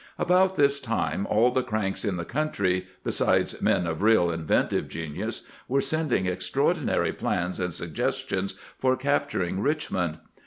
About this time all the cranks in the country, Sri CAMPAIGNING WITH GEANT besides men of real inventive genius, were sending ex traordinary plans and suggestions for capturing Rich mond.